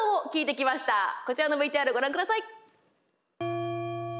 こちらのＶＴＲご覧ください。